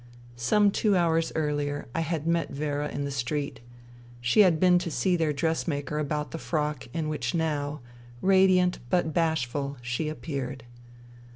Some two hours earlier I had met Vera in the street. She had been to see their dressmaker about the frock in which now, radiant but bashful, she INTERVENING IN SIBERIA 185 appeared.